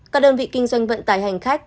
các đơn vị kinh doanh vận tải hành khách